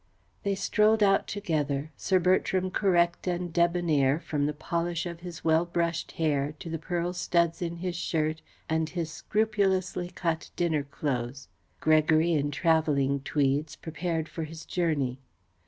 They strolled out together, Sir Bertram correct and debonair, from the polish of his well brushed hair to the pearl studs in his shirt and his scrupulously cut dinner clothes; Gregory in travelling tweeds, prepared for his journey.